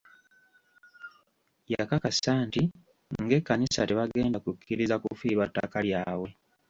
Yakakasa nti ng'ekkanisa tebagenda kukkiriza kufiirwa ttaka lyabwe.